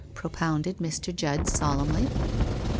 ' propounded Mr. Judd solemnly.